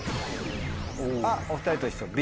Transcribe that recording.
お２人と一緒Ｂ。